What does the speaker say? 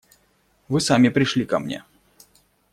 Вы сами пришли ко мне.